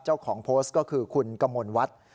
เจ้าของโพสต์ก็คือคุณกมลวัฒน์